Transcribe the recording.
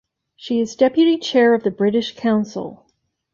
She is deputy chair of the British Council.